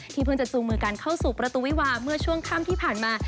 เพิ่งจะจูงมือกันเข้าสู่ประตูวิวาเมื่อช่วงค่ำที่ผ่านมา